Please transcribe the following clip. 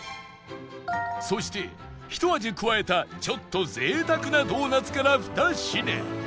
そしてひと味加えたちょっと贅沢なドーナツから２品